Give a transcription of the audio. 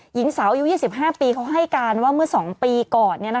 หญิงสาวอายุ๒๕ปีเขาให้การว่าเมื่อ๒ปีก่อน